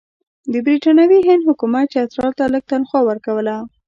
د برټانوي هند حکومت چترال ته لږه تنخوا ورکوله.